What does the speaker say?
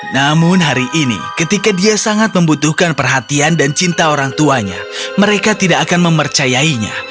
namun hari ini ketika dia sangat membutuhkan perhatian dan cinta orang tuanya mereka tidak akan mempercayainya